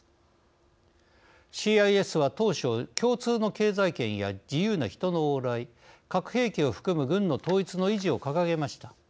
ＣＩＳは当初共通の経済圏や自由な人の往来核兵器を含む軍の統一の維持を掲げました。